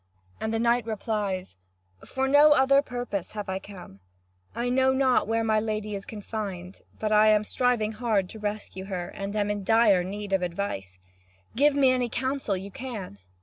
And the knight replies: "For no other purpose have I come. I know not where my lady is confined, but I am striving hard to rescue her, and am in dire need of advice. Give me any counsel you can."